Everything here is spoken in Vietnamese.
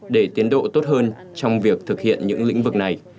để tiến độ tốt hơn trong việc thực hiện những lĩnh vực này